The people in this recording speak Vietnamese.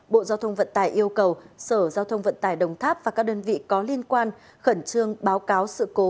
bộ giao thông vận tải yêu cầu sở giao thông vận tải đồng tháp và các đơn vị có liên quan khẩn trương báo cáo sự cố